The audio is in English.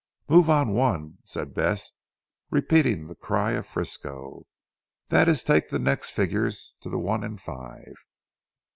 "Move on one," said Bess repeating the cry of Frisco, "that is take the next figures to one and five."